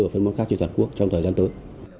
và phân bón khác trên toàn quốc trong thời gian tới